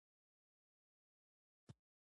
• لمر د ګرمۍ لپاره اصلي سرچینه ده.